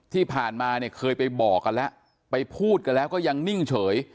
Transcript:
ที่ผ่านมาเนี่ยเคยไปบอกกันแล้วไปพูดกันแล้วก็ยังนิ่งเฉย